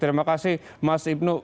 terima kasih mas ibnu